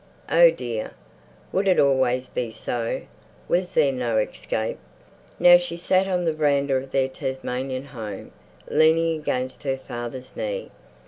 Oh dear, would it always be so? Was there no escape? ... Now she sat on the veranda of their Tasmanian home, leaning against her father's knee.